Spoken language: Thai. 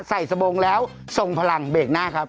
ใส่สะโบงแล้วทรงพลังเบรกหน้าครับ